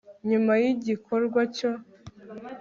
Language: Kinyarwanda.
nyuma y'igikorwa cyo